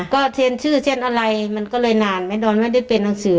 ก็เช่นชื่อเช่นอะไรมันก็เลยนานไม่ได้เป็นหนังสือ